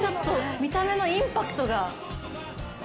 見た目のインパクトが。